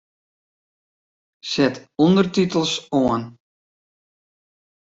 Set ûndertitels oan.